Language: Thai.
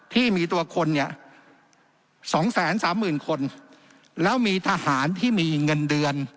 ที่มีตัวคนเนี่ยสองแสนสามหมื่นคนแล้วมีทหารที่มีเงินเดือน